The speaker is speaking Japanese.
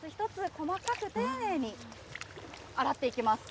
細かく丁寧に洗っていきます。